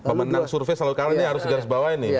pemenang survei selalu kalah ini harus digaris bawah ini